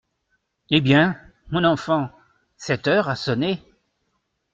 Eh bien, mon enfant, cette heure a sonné !